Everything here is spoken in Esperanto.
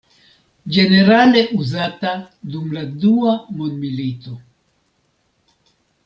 Ĝenerale uzata dum la dua mondmilito.